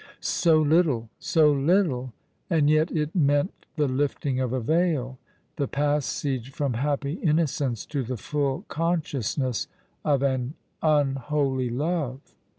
So little — so little — and yet it meant the lifting of a veil — the passage from happy innocence to the full consciousness of an unholy love.